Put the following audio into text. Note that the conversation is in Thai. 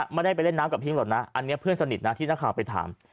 ไม่ได้ไปเล่นน้ำกับหิ้งหรอกนะอันนี้เพื่อนสนิทนะที่นักข่าวไปถาม